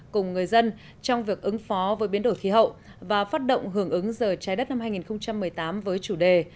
cùng người dân trong việc ứng phó với biến đổi khí hậu và phát động hưởng ứng giờ trái đất năm hai nghìn một mươi tám với chủ đề